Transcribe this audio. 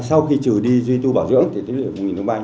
sau khi trừ đi duy tu bảo dưỡng thì tích lũy được một tỷ